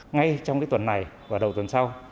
ngay trong tuần này và đầu tuần sau